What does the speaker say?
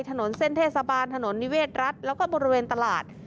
ถนนเส้นเทศบาลถนนนิเวศรัฐแล้วก็บริเวณตลาด